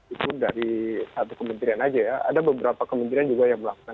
itu dari satu kementerian aja ya ada beberapa kementerian juga yang melakukan